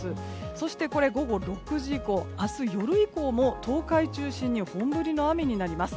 そして、午後６時以降明日夜以降も東海中心に本降りの雨になります。